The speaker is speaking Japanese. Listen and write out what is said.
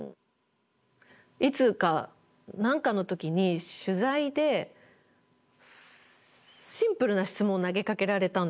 いつか何かの時に取材でシンプルな質問を投げかけられたんですよ。